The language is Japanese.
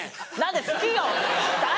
大好きよ。